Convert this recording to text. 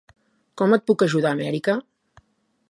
Com et puc ajudar a Amèrica?